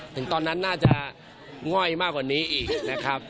ถึงตอนนั้นน่าจะง่อยมากกว่านี้อีกนะครับ